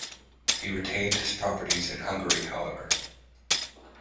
He retained his properties in Hungary however.